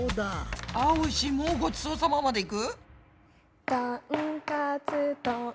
「あおいしもうごちそうさま」までいく？